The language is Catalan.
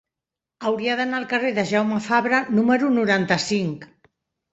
Hauria d'anar al carrer de Jaume Fabra número noranta-cinc.